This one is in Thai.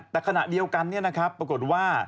แต่ขณะเดียวกันปรากฏว่า